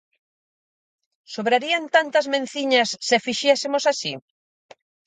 Sobrarían tantas menciñas se fixésemos así?